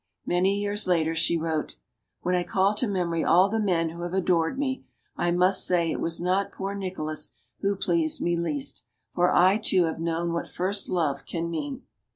Many years later she wrote: When I call to memory all the men who have adored me, I must say it was not poor Nicolas who pleased me least. For I, too, have known what first love can mean.